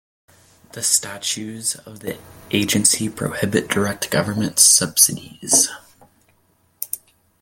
The statutes of the agency prohibit direct government subsidies.